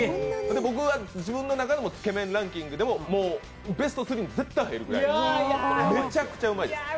僕は自分の中でもつけ麺ランキングのベスト３に絶対に入るぐらいめちゃくちゃうまいです。